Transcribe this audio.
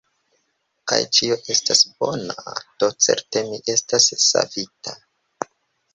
Kaj ĉio estas bona; do certe mi estas savita!